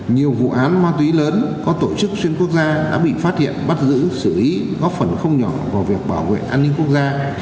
nhiều vụ án ma túy lớn có tổ chức xuyên quốc gia đã bị phát hiện bắt giữ xử lý góp phần không nhỏ vào việc bảo vệ an ninh quốc gia